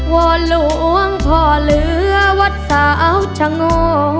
อนหลวงพ่อเหลือวัดสาวชะโง